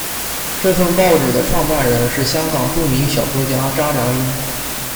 这份报纸的创办人是香港著名小说家查良镛。